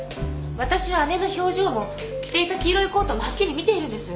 わたしは姉の表情も着ていた黄色いコートもはっきり見ているんです。